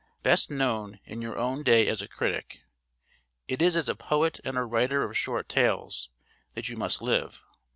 Best known in your own day as a critic, it is as a poet and a writer of short tales that you must live.